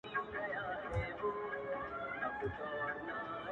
• د همدې په زور عالم راته غلام دی -